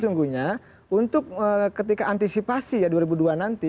sesungguhnya untuk ketika antisipasi ya dua ribu dua nanti